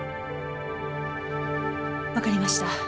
わかりました。